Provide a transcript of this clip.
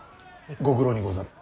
ご苦労にござる。